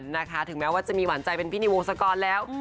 นะคะถึงแม้ว่าจะมีหวานใจเป็นพี่ในวงศกรแล้ว